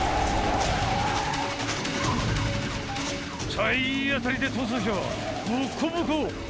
体当たりで逃走車はボッコボコ